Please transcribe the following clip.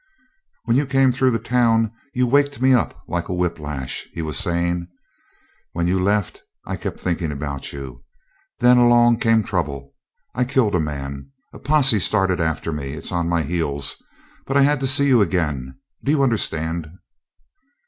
"When you came through the town you waked me up like a whiplash," he was saying. "When you left I kept thinking about you. Then along came a trouble. I killed a man. A posse started after me. It's on my heels, but I had to see you again. Do you understand?"